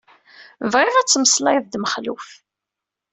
Bɣiɣ ad temmeslayeḍ d Mexluf.